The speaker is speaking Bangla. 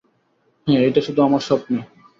হ্যাঁ, এইটা শুধু আমার স্বপ্নে।